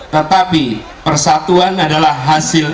tetapi persatuan adalah hasil